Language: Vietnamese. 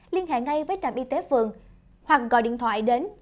liên hệ ngay với trạm y tế phường hoặc gọi điện thoại đến